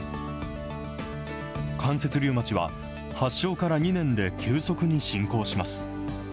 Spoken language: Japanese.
関節リウマチは、発症から２年で急速に進行します。